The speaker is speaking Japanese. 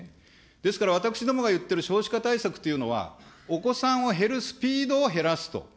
ですから、私どもが言ってる少子化対策というのは、お子さんを減るスピードを減らすと。